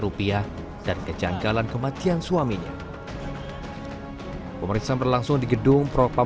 rupiah dan kejanggalan kematian suaminya pemeriksaan berlangsung di gedung propam